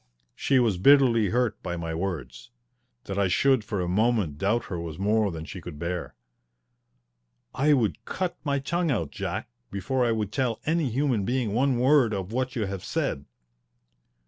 She was bitterly hurt by my words. That I should for a moment doubt her was more than she could bear. "I would cut my tongue out, Jack, before I would tell any human being one word of what you have said."